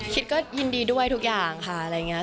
ก็ยินดีด้วยทุกอย่างค่ะอะไรอย่างนี้